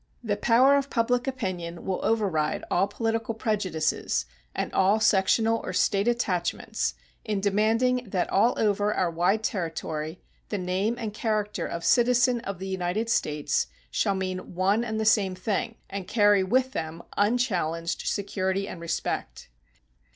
The power of public opinion will override all political prejudices and all sectional or State attachments in demanding that all over our wide territory the name and character of citizen of the United States shall mean one and the same thing and carry with them unchallenged security and respect.